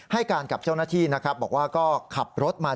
ให้การกับเจ้าหน้าที่นะครับบอกว่าก็ขับรถมา